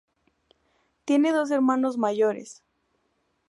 Tiene dos hermanos mayores.